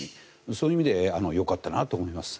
そういう意味でよかったなと思います。